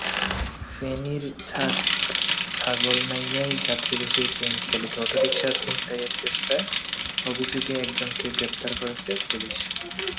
ফেনীর ছাগলনাইয়ায় যাত্রীবেশে সিএনজিচালিত অটোরিকশা ছিনতাইয়ের চেষ্টার অভিযোগে একজনকে গ্রেপ্তার করেছে পুলিশ।